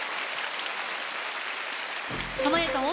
濱家さん